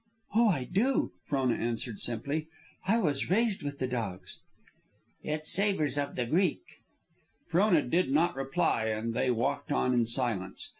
"Oh, I do," Frona answered, simply. "I was raised with the dogs." "It savors of the Greek." Frona did not reply, and they walked on in silence.